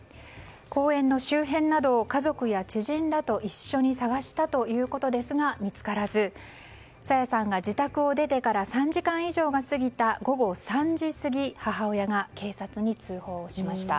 公園の周辺などを家族や知人らと一緒に捜したということですが見つからず朝芽さんが自宅を出てから３時間以上が過ぎた午後３時過ぎ、母親が警察に通報しました。